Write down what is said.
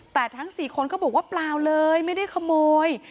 แต่ทั้ง๔คนก็บอกว่าเปล่าเลยไม่ได้ขโมย